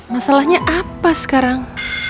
masalahnya apa sekarang